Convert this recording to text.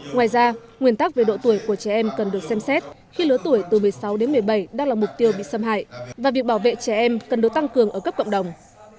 ngoài ra nguyên tắc về độ tuổi của trẻ em cần được xem xét khi lứa tuổi từ một mươi sáu đến một mươi bảy đang là mục tiêu bị xâm hại và việc bảo vệ trẻ em cần được tăng cường ở cấp cộng đồng